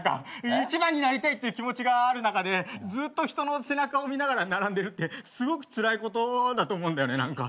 一番になりたいっていう気持ちがある中でずっと人の背中を見ながら並んでるってすごくつらいことだと思うんだよね。